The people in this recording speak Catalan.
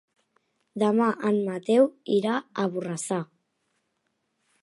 Demà en Mateu irà a Borrassà.